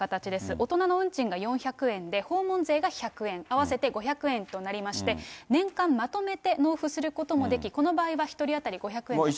大人の運賃が４００円で、訪問税が１００円、合わせて５００円となりまして、年間まとめて納付することもでき、この場合は１人当たり５００円だそうです。